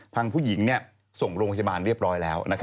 พังผู้หญิงเนี่ยส่งโรงพยาบาลเรียบร้อยแล้วนะครับ